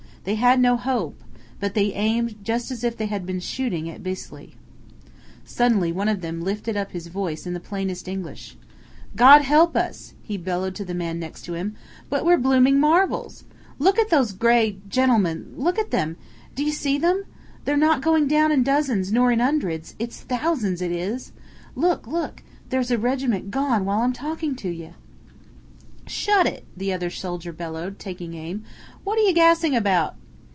They had no hope; but they aimed just as if they had been shooting at Bisley. Suddenly one of them lifted up his voice in the plainest English. "Gawd help us!" he bellowed to the man next to him, "but we're blooming marvels! Look at those gray ... gentlemen, look at them! D'ye see them? They're not going down in dozens nor in 'undreds; it's thousands, it is. Look! look! there's a regiment gone while I'm talking to ye." "Shut it!" the other soldier bellowed, taking aim, "what are ye gassing about?"